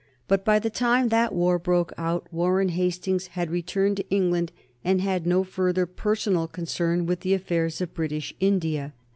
But by the time that war broke out Warren Hastings had returned to England and had no further personal concern with the affairs of British India.